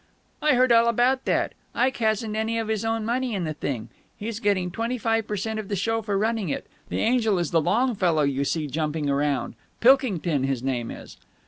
"I heard all about that. Ike hasn't any of his own money in the thing. He's getting twenty five per cent of the show for running it. The angel is the long fellow you see jumping around. Pilkington his name is."